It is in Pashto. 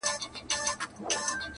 • زما په څېر یو ټوپ راواچاوه له پاسه -